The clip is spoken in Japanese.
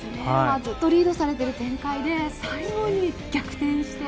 ずっとリードされている展開で最後に逆転して。